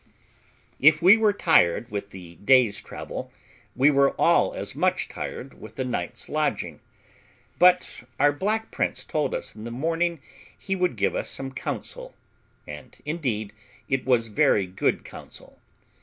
If we were tired with the day's travel, we were all as much tired with the night's lodging. But our black prince told us in the morning he would give us some counsel, and indeed it was very good counsel.